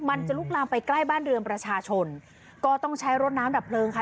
มันจะลุกลามไปใกล้บ้านเรือนประชาชนก็ต้องใช้รถน้ำดับเพลิงค่ะ